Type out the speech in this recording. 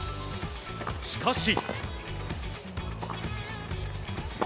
しかし。